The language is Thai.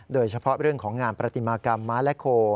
โดยเฉพาะเรื่องของงานประติมากรรมม้าและโค